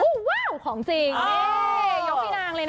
ว้าวของจริงนี่ยกพี่นางเลยนะ